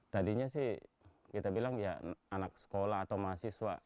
tadinya sih kita bilang ya anak sekolah atau mahasiswa